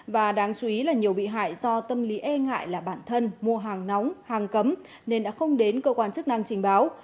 và đáng chú ý là nhiều bị hại do tâm lý e ngại là bản thân mua hàng nóng hàng cấm nên đã không đến cơ quan chức năng trình báo